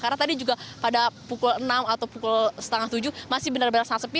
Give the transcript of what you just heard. karena tadi juga pada pukul enam atau pukul tujuh tiga puluh masih benar benar sangat sepi